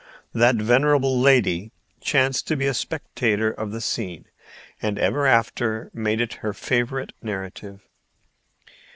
That venerable lady chanced to be a spectator of the scene, and ever after made it her favorite narrative.